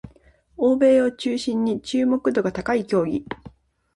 欧米を中心に注目度が高い競技